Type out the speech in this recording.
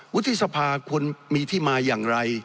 วุฒิสภาควรมีที่มาอย่างไร